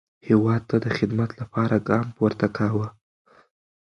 هیواد ته د خدمت لپاره ګام پورته کاوه.